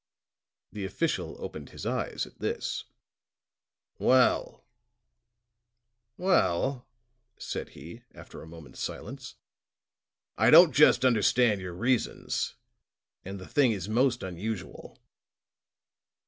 The official opened his eyes at this. "Well," said he, after a moment's silence, "I don't just understand your reasons; and the thing is most unusual.